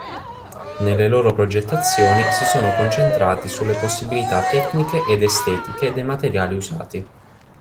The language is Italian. Nelle loro progettazioni si sono concentrati sulle possibilità tecniche ed estetiche dei materiali usati.